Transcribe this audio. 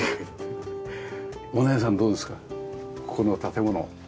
この建物。